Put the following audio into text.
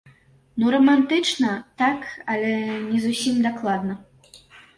Ну, рамантычна, так, але не зусім дакладна.